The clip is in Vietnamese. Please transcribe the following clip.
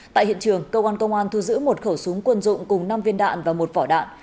tại hiện trường cơ quan công an thu giữ một khẩu súng quân dụng cùng năm viên đạn và một vỏ đạn